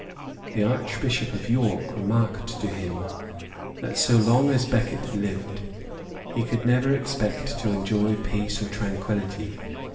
The archbishop of York remarked to him, that so long as Becket lived, he could never expect to enjoy peace or tranquillity.